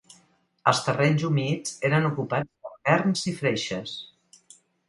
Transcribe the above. Els terrenys humits eren ocupats per verns i freixes.